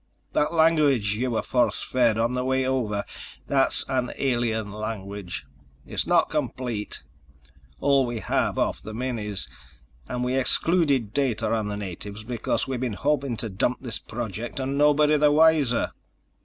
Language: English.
That language you were force fed on the way over, that's an alien language. It's not complete ... all we have off the minis. And we excluded data on the natives because we've been hoping to dump this project and nobody the wiser."